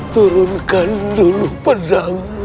turunkan dulu pedangmu